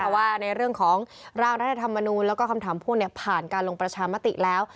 ว่าในเรื่องของร่างรัฐธรรมนูลแล้วก็คำถามพ่วงผ่านการลงประชามติแล้ว